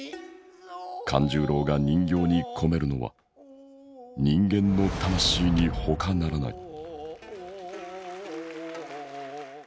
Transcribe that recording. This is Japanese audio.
勘十郎が人形に込めるのは人間の「魂」にほかならない。